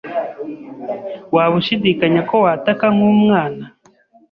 Waba ushidikanya ko wataka nkumwana?